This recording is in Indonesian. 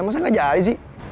masa ga jadi sih